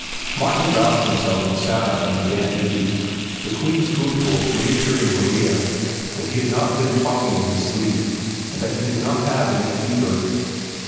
Martin roused himself and sat up and began to eat, between spoonfuls reassuring Maria that he had not been talking in his sleep and that he did not have any fever.